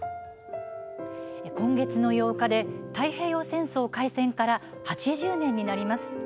今月の８日で太平洋戦争開戦から８０年になります。